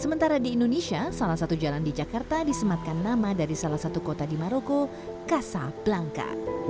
sementara di indonesia salah satu jalan di jakarta disematkan nama dari salah satu kota di maroko kasa blanca